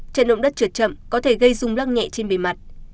trận động đất trượt chậm có thể gây rung lắc nhẹ trên bề mặt